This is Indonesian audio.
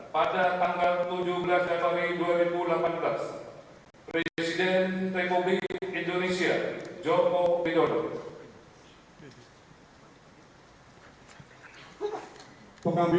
lalu kebangsaan indonesia baik